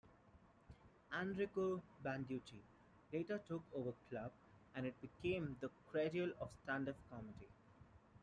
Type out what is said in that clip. Enrico Banducci later took over club and it became the cradle of stand-up comedy.